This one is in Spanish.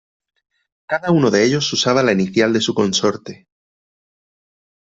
Cada uno de ellos usaba la inicial de su consorte.